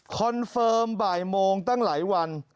เฟิร์มบ่ายโมงตั้งหลายวัน